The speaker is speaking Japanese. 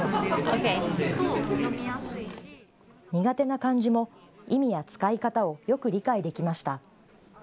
苦手な漢字も、意味や使い方をよく理解できました。